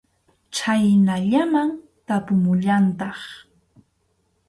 Chhaynallaman tapumullantaq.